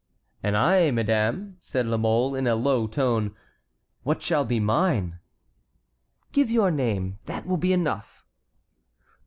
"And I, madame," said La Mole, in a low tone, "what shall be mine?" "Give your name. That will be enough."